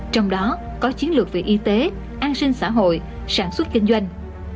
trong đó có chiến lược về y tế an sinh xã hội sản xuất kinh doanh